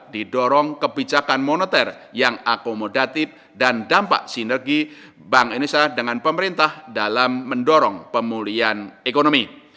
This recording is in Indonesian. didorong kebijakan moneter yang akomodatif dan dampak sinergi bank indonesia dengan pemerintah dalam mendorong pemulihan ekonomi